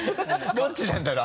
どっちなんだろう？